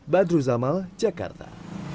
badru zamal jakarta